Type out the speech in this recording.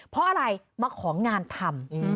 เพราะอะไรมาของงานทำ